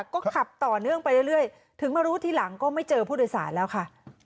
ก็ขับต่อเนื่องไปเรื่อยถึงมารู้ทีหลังก็ไม่เจอผู้โดยสารแล้วค่ะ